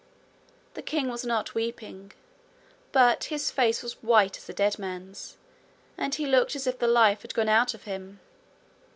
The king was not weeping, but his face was white as a dead man's, and he looked as if the life had gone out of him.